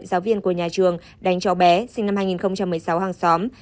giáo viên của nhà trường đánh cháu bé sinh năm hai nghìn một mươi sáu hàng xóm